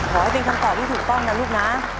ขอให้เป็นคำตอบที่ถูกต้องนะลูกนะ